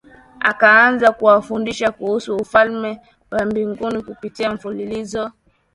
akaanza kuwafundisha kuhusu Ufalme wa mbinguni kupitia mfululizo